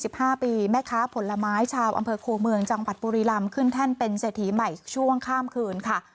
ห้าปีแม่ค้าผลไม้ชาวอำเภอโคเมืองจังหวัดบุรีลำขึ้นแท่นเป็นเศรษฐีใหม่ช่วงข้ามคืนค่ะ